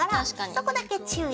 そこだけ注意。